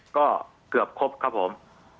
ก็เกือบครบครับผม